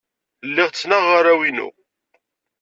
Lliɣ ttnaɣeɣ arraw-inu.